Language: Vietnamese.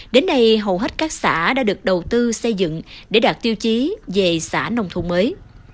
đến nay hầu hết các xã đã được đầu tư xây dựng để đạt tiêu chí về xã nông thôn mới